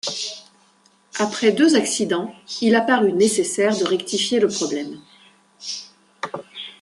Après deux accidents il apparut nécessaire de rectifier le problème.